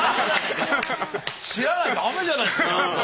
知らないのだめじゃないですか。